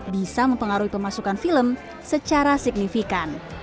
bisa mempengaruhi pemasukan film secara signifikan